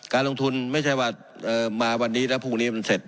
การลงทุนไม่ใช่ว่ามาวันนี้แล้วพรุ่งนี้มันเสร็จ